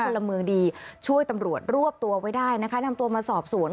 ละเมืองดีช่วยตำรวจรวบตัวไว้ได้นะคะนำตัวมาสอบสวน